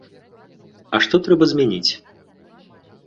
А што трэба змяніць?